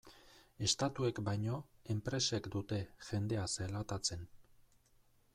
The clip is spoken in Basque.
Estatuek baino, enpresek dute jendea zelatatzen.